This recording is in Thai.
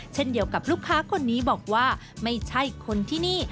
เช่นเดียวกับลูกค้าคนนี้บอกว่าไม่ใช่คนที่นี่